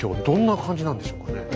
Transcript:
どんな感じなんでしょうかね。